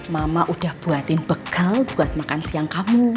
mama udah buatin bekal buat makan siang kamu